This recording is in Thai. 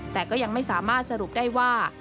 แต่ก็ยังไม่สามารถสรุปได้ว่า